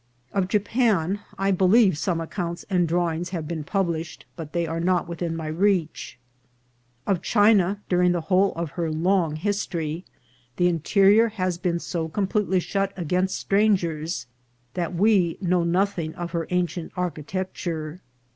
Of Japan I be lieve some accounts and drawings have been published, but they are not within my reach ; of China, during the whole of her long history, the interior has been so com pletely shut against strangers that we know nothing of her ancient architecture.